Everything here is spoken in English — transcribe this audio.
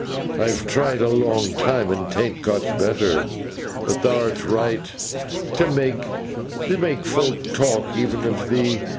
'I've tried a long time, and 'ta'nt got better. But thou'rt right; 't might mak fok talk, even of thee.